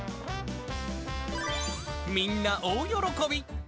みんな大喜び。